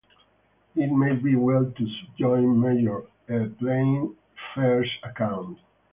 It may be well to subjoin Major A. Playfair's account.